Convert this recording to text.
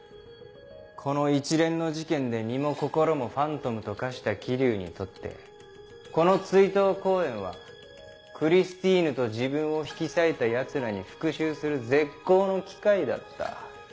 この一連の事件で身も心もファントムと化した霧生にとってこの追悼公演はクリスティーヌと自分を引き裂いたヤツらに復讐する絶好の機会だった。